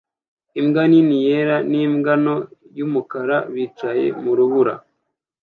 Imbwa nini yera n'imbwa nto y'umukara bicaye mu rubura